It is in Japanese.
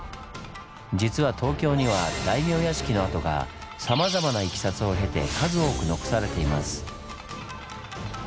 実は東京には大名屋敷の跡がさまざまないきさつを経て数多く残されています。